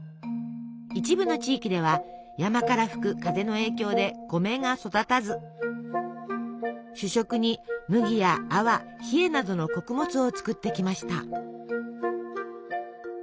一部の地域では山から吹く風の影響で米が育たず主食に麦やあわひえなどの穀物を作ってきました。